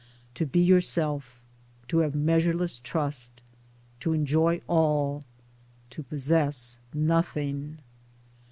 To be Yourself, to have measureless Trust; to enjoy all, to possess nothing.